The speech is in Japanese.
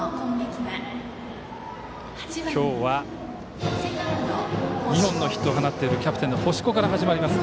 今日は２本のヒットを放っているキャプテンの星子から始まります。